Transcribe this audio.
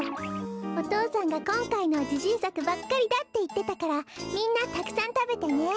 お父さんがこんかいのはじしんさくばっかりだっていってたからみんなたくさんたべてね！